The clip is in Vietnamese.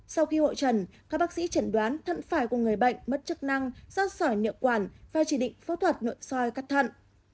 sau khi hội trần các bác sĩ chẩn đoán thân phải của người bệnh mất chức năng dot sỏi nhựa quản và chỉ định phẫu thuật nội soi cắt thận